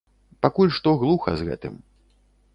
Пакуль што глуха з гэтым.